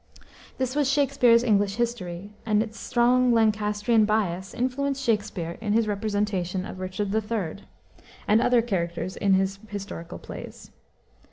This was Shakspere's English history, and its strong Lancastrian bias influenced Shakspere in his representation of Richard III. and other characters in his historical plays.